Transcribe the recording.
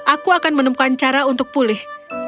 aku akan menemukan cara untuk pulih